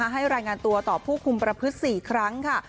ให้รายงานตัวต่อผู้คุมประพฤติ๔ครั้งค่ะ